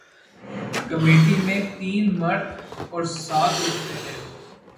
committee میں تین مرد اور سات عورتیں ہیں